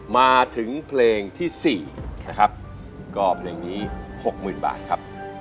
มาถึงเพลงที่๔นะครับก็เพลงนี้๖๐๐๐บาทครับ